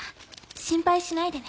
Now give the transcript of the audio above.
心配しないでね